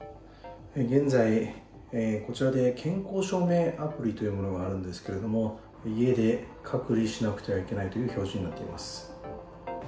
現在、こちらで健康証明アプリというものがあるんですけれども、家で隔離しなくてはいけないという表示になっています。